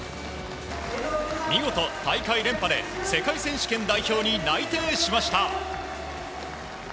見事、大会連覇で世界選手権代表に内定しました。